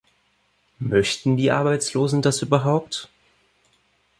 Möchten die Arbeitslosen das überhaupt?